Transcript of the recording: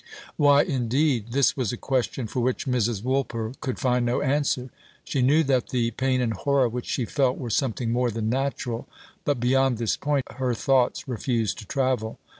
Why indeed? This was a question for which Mrs. Woolper could find no answer. She knew that the pain and horror which she felt were something more than natural, but beyond this point her thoughts refused to travel.